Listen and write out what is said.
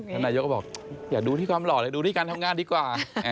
ท่านนายยกก็บอกให้ดูที่การทำงานดีกว่า